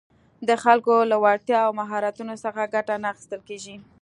د خلکو له وړتیاوو او مهارتونو څخه ګټه نه اخیستل کېږي